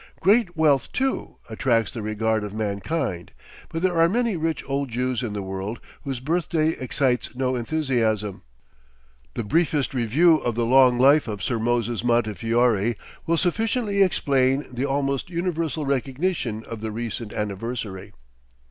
Great wealth, too, attracts the regard of mankind. But there are many rich old Jews in the world whose birthday excites no enthusiasm. The briefest review of the long life of Sir Moses Montefiore will sufficiently explain the almost universal recognition of the recent anniversary.